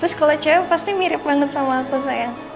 terus kalau cewek pasti mirip banget sama aku saya